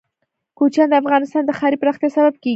کوچیان د افغانستان د ښاري پراختیا سبب کېږي.